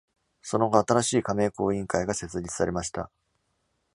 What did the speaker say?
その後、新しい加盟校委員会が設立されました。